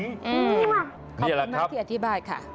นี่แหละครับขอบคุณมากที่อธิบายค่ะ